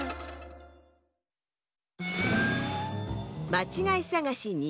まちがいさがし２